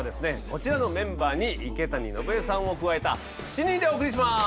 こちらのメンバーに池谷のぶえさんを加えた７人でお送りします！